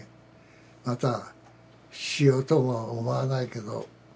またしようとも思わないけど。